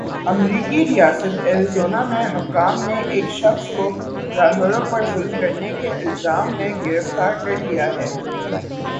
امریکی ریاست ایریزونا میں حکام نے ایک شخص کو جانوروں پر ظلم کرنے کے الزام میں گرفتار کرلیا ہے۔